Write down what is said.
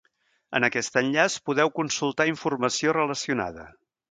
En aquest enllaç podeu consultar informació relacionada.